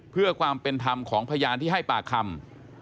เพื่อความเป็นธรรมของพยานที่ให้ปากคำ